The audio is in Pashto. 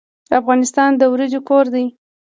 افغانستان د وریجو کور دی.